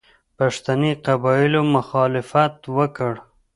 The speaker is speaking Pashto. پښتني قبایلو مخالفت وکړ.